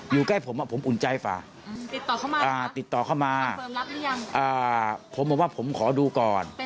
อยู่ใกล้ผมว่าผมอุ่นใจฟ้าติดต่อเข้ามาผมบอกว่าผมขอดูก่อน